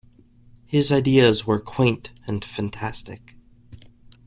His ideas were quaint and fantastic.